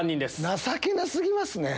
情けな過ぎますね。